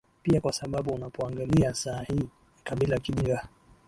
pia kwa sababu unapoangalia saa hii kabila kidinga